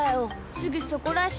すぐそこだし。